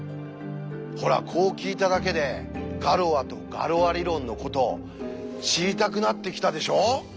ほらこう聞いただけでガロアとガロア理論のこと知りたくなってきたでしょう？